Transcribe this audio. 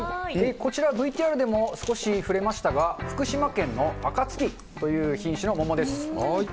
こちら、ＶＴＲでも少し触れましたが、福島県のあかつきという品種の桃です。